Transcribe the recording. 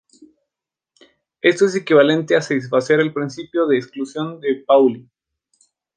Esto es equivalente a satisfacer el principio de exclusión de Pauli.